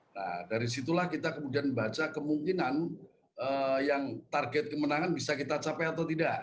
nah dari situlah kita kemudian baca kemungkinan yang target kemenangan bisa kita capai atau tidak